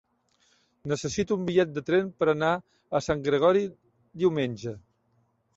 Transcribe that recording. Necessito un bitllet de tren per anar a Sant Gregori diumenge.